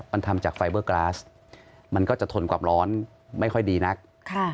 มันทำจากไฟเบอร์กราสมันก็จะทนความร้อนไม่ค่อยดีนักค่ะ